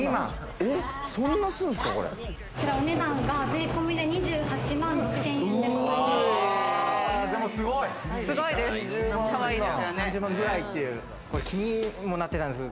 こちら、お値段が税込みで２８万６０００円でございます。